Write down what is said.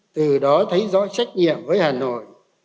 từ đó thấy rõ trách nhiệm với hà nội